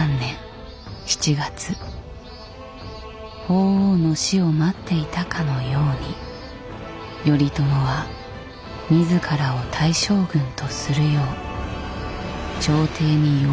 法皇の死を待っていたかのように頼朝は自らを大将軍とするよう朝廷に要求する。